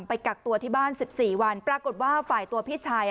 กักตัวที่บ้าน๑๔วันปรากฏว่าฝ่ายตัวพี่ชาย